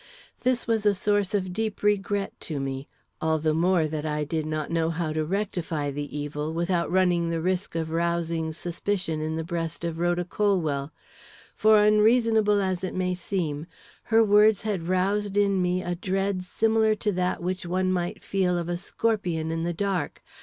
This was a source of deep regret to me, all the more that I did not know how to rectify the evil without running the risk of rousing suspicion in the breast of Rhoda Colwell. For, unreasonable as it may seem, her words had roused in me a dread similar to that which one might feel of a scorpion in the dark.